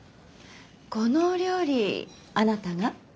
このお料理あなたが？